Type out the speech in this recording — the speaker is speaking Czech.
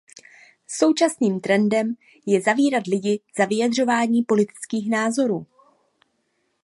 Současným trendem je zavírat lidi za vyjadřování politických názorů.